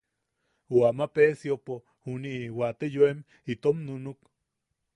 O ama Peesiopo juniʼi wate yoim itom nunuʼuk.